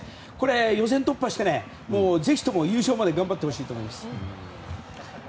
予選突破して、優勝まで頑張ってほしいと思いますね。